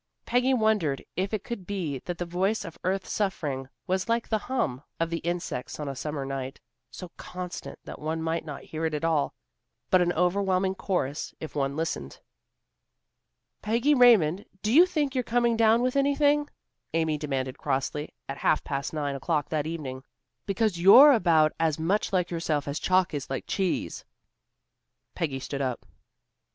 Peggy wondered if it could be that the voice of earth's suffering was like the hum of the insects on a summer night, so constant that one might not hear it at all, but an overwhelming chorus if one listened. "Peggy Raymond, do you think you're coming down with anything?" Amy demanded crossly, at half past nine o'clock that evening. "Because you're about as much like yourself as chalk is like cheese." Peggy stood up.